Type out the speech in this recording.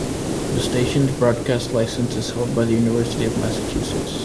The station's broadcast license is held by the University of Massachusetts.